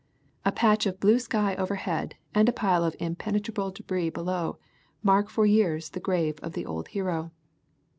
A patch of blue sky overhead and a pile of impenetrable debris below, mark for years the grave of the old hero.